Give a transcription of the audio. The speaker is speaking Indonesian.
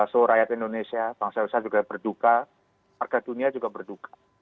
so rakyat indonesia bangsa indonesia juga berduka warga dunia juga berduka